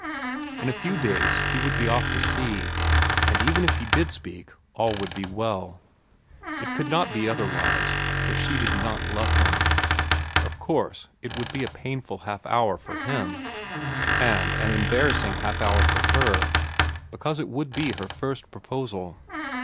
In a few days he would be off to sea. And even if he did speak, all would be well. It could not be otherwise, for she did not love him. Of course, it would be a painful half hour for him, and an embarrassing half hour for her, because it would be her first proposal.